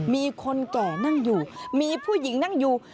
มีคนแก่นั่งอยู่มีผู้หญิงนั่งอยู่